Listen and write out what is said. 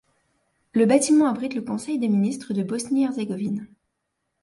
Le bâtiment abrite le Conseil des ministres de Bosnie-Herzégovine.